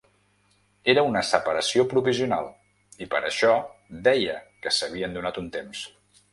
Era una separació provisional, i per això deia que s'havien donat un temps.